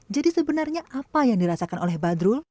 jadi sebenarnya apa yang dirasakan oleh badrul